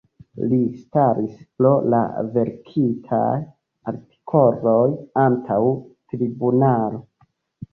Li staris pro la verkitaj artikoloj antaŭ tribunalo.